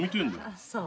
あっそう。